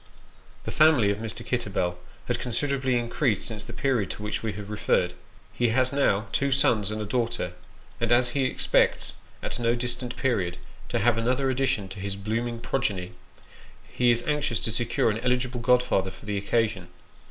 The family of Mr. Kitterbell has considerably increased since the period to which we have referred ; he has now two sons and a daughter ; 368 Sketches by Bos. and as he expects, at no distant period, to have another addition to his blooming progeny, he is anxious to secure an eligible godfather for the occasion.